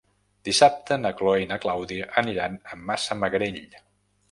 Dissabte na Chloé i na Clàudia aniran a Massamagrell.